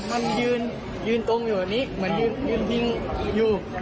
มันยืนตรงอยู่อันนี้เหมือนยืนยิงอยู่